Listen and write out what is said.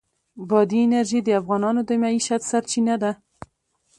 بادي انرژي د افغانانو د معیشت سرچینه ده.